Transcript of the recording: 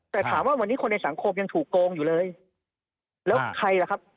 แต่ถามว่าวันนี้คนในสังคมยังถูกโกงอยู่เลยแล้วใครล่ะครับ